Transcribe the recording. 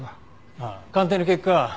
ああ鑑定の結果